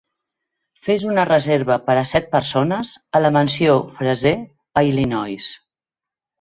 Fes una reserva per a set persones a la Mansió Fraser a Illinois